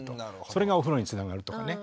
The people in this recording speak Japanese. それがお風呂につながるとかね。